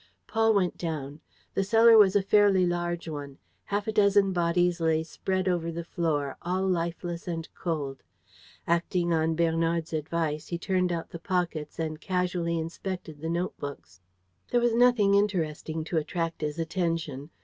Paul went down. The cellar was a fairly large one. Half a dozen bodies lay spread over the floor, all lifeless and cold. Acting on Bernard's advice, he turned out the pockets and casually inspected the note books. There was nothing interesting to attract his attention.